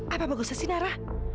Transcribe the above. apa bagusnya sih nara